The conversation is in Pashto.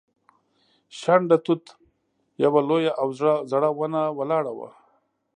شنډه توت یوه لویه او زړه ونه ولاړه وه.